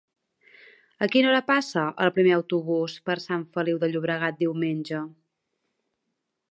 A quina hora passa el primer autobús per Sant Feliu de Llobregat diumenge?